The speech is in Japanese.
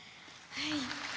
はい。